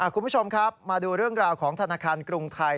คุณผู้ชมครับมาดูเรื่องราวของธนาคารกรุงไทย